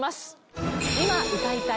今歌いたい！